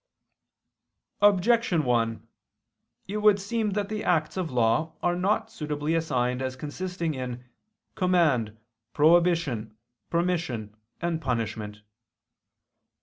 Objection 1: It would seem that the acts of law are not suitably assigned as consisting in "command, prohibition, permission, and punishment."